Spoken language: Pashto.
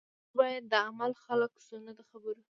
موږ باید د عمل خلک شو نه د خبرو